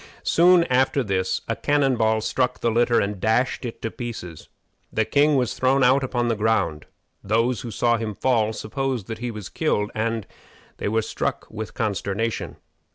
Soon after this a cannon ball struck the litter and dashed it to pieces. The king was thrown out upon the ground. Those who saw him fall supposed that he was killed, and they were struck with consternation.